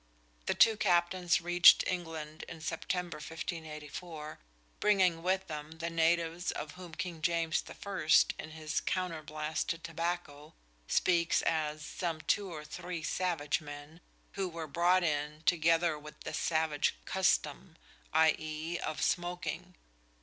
The two captains reached England in September 1584, bringing with them the natives of whom King James I, in his "Counter blaste to Tobacco," speaks as "some two or three Savage men," who "were brought in, together with this Savage custome," i.e. of smoking.